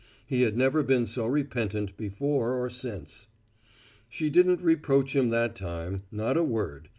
He had never been so repentant before or since. She didn't reproach him that time not a word.